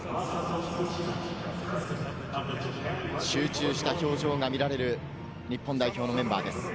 集中した表情が見られる日本代表のメンバーです。